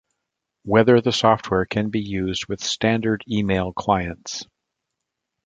Whether the software can be used with standard Email clients.